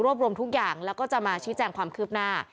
รวมทุกอย่างแล้วก็จะมาชี้แจงความคืบหน้า